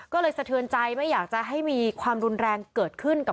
เกตการณ์การชมรุมของเยาวชนเนี่ยเขามองเห็นถึงความใสซื้อบริสุทธิ์